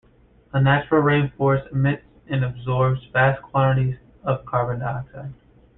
A natural rainforest emits and absorbs vast quantities of carbon dioxide.